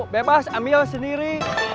lima bebas ambil sendiri